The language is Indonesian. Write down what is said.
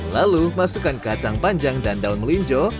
lalu masukkan kacang panjang dan daun melinjo